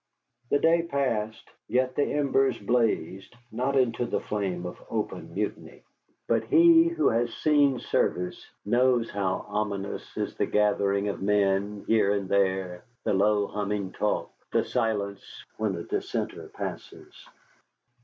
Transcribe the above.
The day passed, yet the embers blazed not into the flame of open mutiny. But he who has seen service knows how ominous is the gathering of men here and there, the low humming talk, the silence when a dissenter passes.